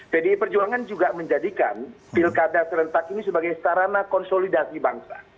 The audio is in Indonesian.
pdi perjuangan juga menjadikan pilkada serentak ini sebagai sarana konsolidasi bangsa